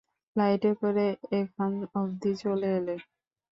ফ্লাইটে করে এখান অবধি চলে এলে।